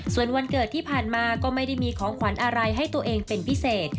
ส่วนวันเกิดที่ผ่านมาก็ไม่ได้มีของขวัญอะไรให้ตัวเองเป็นพิเศษ